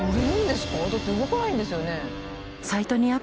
だって動かないんですよね？